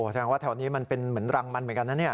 แสดงว่าแถวนี้มันเป็นเหมือนรังมันเหมือนกันนะเนี่ย